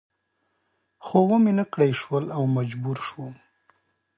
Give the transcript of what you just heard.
خو و مې نه کړای شول او مجبور شوم.